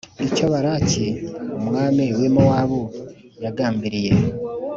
icyo Balaki umwami w i Mowabu yagambiriye